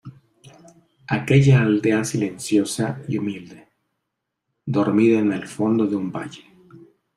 aquella aldea silenciosa y humilde, dormida en el fondo de un valle